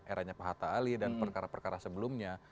eranya pak hatta ali dan perkara perkara sebelumnya